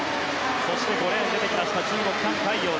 そして５レーンが出てきた中国のタン・カイヨウ。